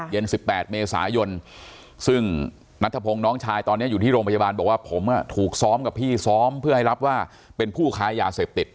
๑๘เมษายนซึ่งนัทพงศ์น้องชายตอนนี้อยู่ที่โรงพยาบาลบอกว่าผมถูกซ้อมกับพี่ซ้อมเพื่อให้รับว่าเป็นผู้ค้ายาเสพติด